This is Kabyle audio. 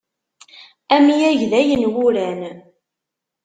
Amyag d ayenwuran.